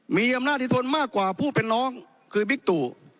มีอำนาจอิทธนมากกว่าผู้เป็นน้องคือบิ๊กตู่